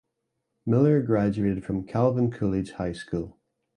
Miller graduated from Calvin Coolidge High School.